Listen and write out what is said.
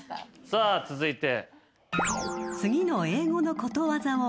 さあ続いて。